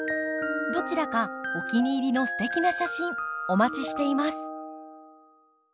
どちらかお気に入りのすてきな写真お待ちしています。